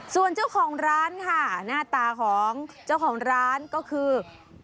ส่วนเจ้าของร้านค่ะหน้าตาของเจ้าของร้านก็คือ